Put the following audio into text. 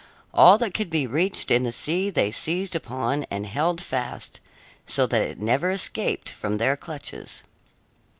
All that could be reached in the sea they seized upon and held fast, so that it never escaped from their clutches.